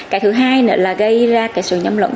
cái thứ hai nữa là gây ra sự nhâm lẫn